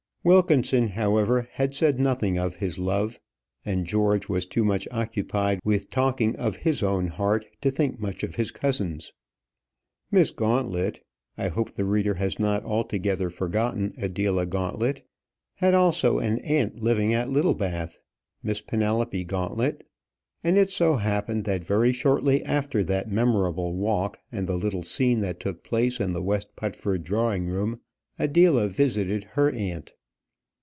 Wilkinson, however, had said nothing of his love, and George was too much occupied with talking of his own heart to think much of his cousin's. Miss Gauntlet I hope the reader has not altogether forgotten Adela Gauntlet had also an aunt living at Littlebath, Miss Penelope Gauntlet; and it so happened, that very shortly after that memorable walk and the little scene that took place in the West Putford drawing room, Adela visited her aunt.